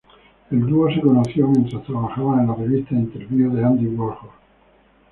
El dúo se conoció mientras trabajaba en la revista "Interview" de Andy Warhol.